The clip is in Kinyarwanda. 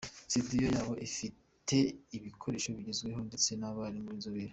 Studio ya bo ifite bikoresho bigezweho ndetse n'abarimu b'inzobere.